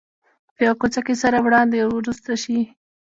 په یوه کوڅه کې سره وړاندې ورسته شي.